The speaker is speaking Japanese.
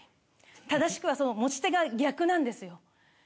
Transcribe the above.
正しくはその持ち手が逆なんですよ。